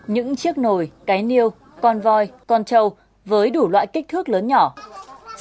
những chiếc nồi cái niêu con voi con trâu với đủ loại kích thước lớn nhỏ